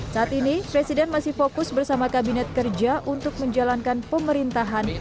saat ini presiden masih fokus bersama kabinet kerja untuk menjalankan pemerintahan